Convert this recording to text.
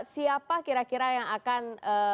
siapa kira kira yang akan